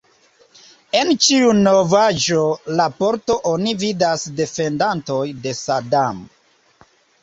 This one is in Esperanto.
En ĉiu novaĵ-raporto oni vidas defendantojn de Sadam.